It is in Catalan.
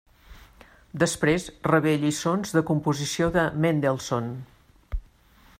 Després rebé lliçons de composició de Mendelssohn.